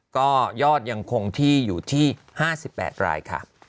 ก็ยอดยังคงที่อยู่ที่๕๘รายค่ะ